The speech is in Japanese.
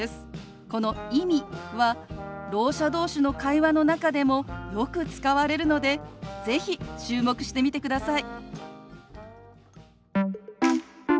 この「意味」はろう者同士の会話の中でもよく使われるので是非注目してみてください。